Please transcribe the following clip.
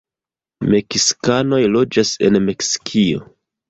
Meksikanoj loĝas en Meksikio.